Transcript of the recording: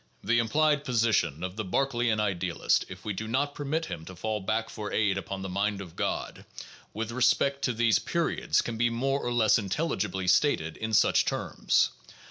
The implied position of a Berkeleian idealist (if we do not permit him to fall back for aid upon the mind of God) with regard to these periods can be more or less intelligibly stated in such terms.